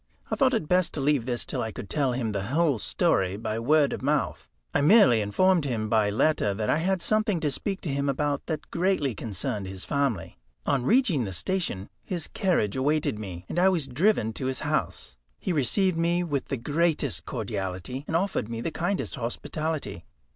I thought it best to leave this till I could tell him the whole story by word of mouth. I merely informed him by letter that I had something to speak to him about that greatly concerned his family. On reaching the station his carriage awaited me, and I was driven to his house. He received me with the greatest cordiality, and offered me the kindest hospitality.